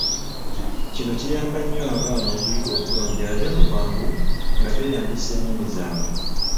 Kino kiyamba nnyo abaana okuyiga obulungi ate mu bwangu nga beeyambisa ennimi zaabwe.